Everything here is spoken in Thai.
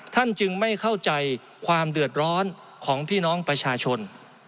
จึงไม่เข้าใจความเดือดร้อนของพี่น้องประชาชน